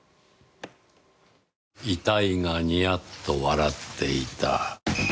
遺体がニヤッと笑っていた。